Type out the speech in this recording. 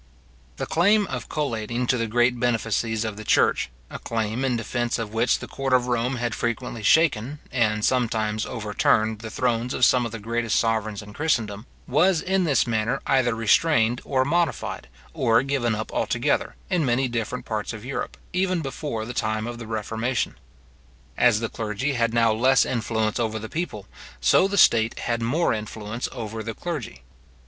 The claim of collating to the great benefices of the church, a claim in defence of which the court of Rome had frequently shaken, and sometimes overturned, the thrones of some of the greatest sovereigns in Christendom, was in this manner either restrained or modified, or given up altogether, in many different parts of Europe, even before the time of the reformation. As the clergy had now less influence over the people, so the state had more influence over the clergy.